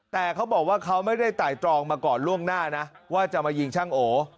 แต่เขาบอกว่าเขาไม่ได้ไต่ตรองมาก่อนล่วงหน้านะว่าจะมายิงช่างโอ